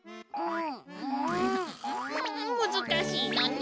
むずかしいのね！